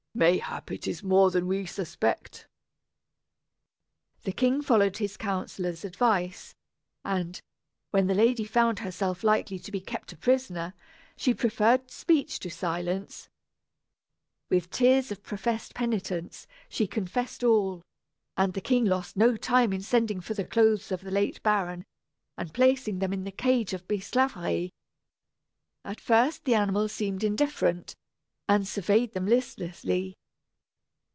Mayhap it is more than we suspect." The king followed his counsellor's advice; and, when the lady found herself likely to be kept a prisoner, she preferred speech to silence. With tears of professed penitence, she confessed all, and the king lost no time in sending for the clothes of the late baron, and placing them in the cage of Bisclaveret. At first the animal seemed indifferent, and surveyed them listlessly.